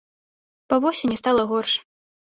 Па восені стала горш.